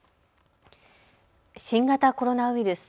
新型コロナウイルス。